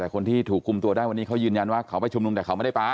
แต่คนที่ถูกคุมตัวได้วันนี้เขายืนยันว่าเขาไปชุมนุมแต่เขาไม่ได้ไป